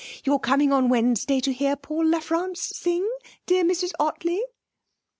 You're coming on Wednesday to hear Paul La France sing, dear Mrs Ottley?'